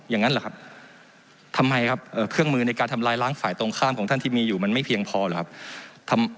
อย่างนั้นเหรอครับทำไมครับเครื่องมือในการทำลายล้างฝ่ายตรงข้ามของท่านที่มีอยู่มันไม่เพียงพอเหรอครับ